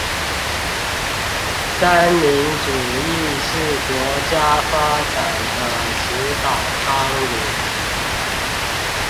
三民主義是國家發展的指導綱領